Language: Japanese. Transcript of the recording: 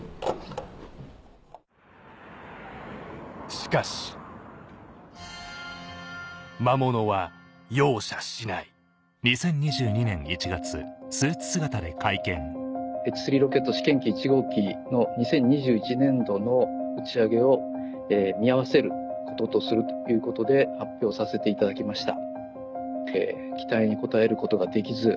しかし魔物は容赦しないＨ３ロケット試験機１号機の２０２１年度の打ち上げを見合わせることとするということで発表させていただきました。